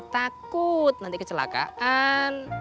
takut nanti kecelakaan